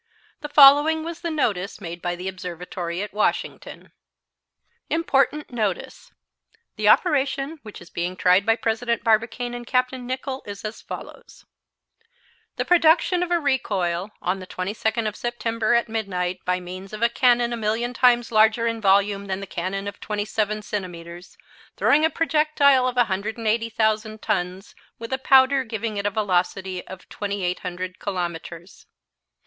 The following was the notice made by the Observatory at Washington: IMPORTANT NOTICE The operation which is being tried by President Barbicane and Capt. Nicholl is as follows: The production of a recoil, on the 22d of September, at midnight, by means of a cannon a million times larger in volume than the cannon of twenty seven centimetres, throwing a projectile of 180,000 tons, with a powder giving it a velocity of 2,800 kilometres.